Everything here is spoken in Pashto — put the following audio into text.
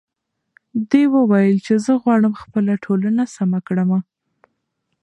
دې وویل چې زه غواړم خپله ټولنه سمه کړم.